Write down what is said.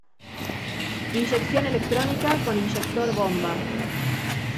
Inyección electrónica, con inyector bomba.